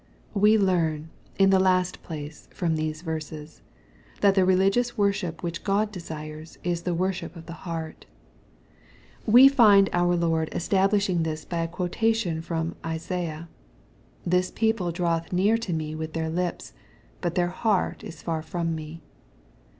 We learn^ in the last place, from these verses, that the religious worship which, Ood desires, is the worship of the heart. We find our Lord establishing this by a quo tation from Isaiah, '' This people draweth near to me with their Ups, but their heart is far from me."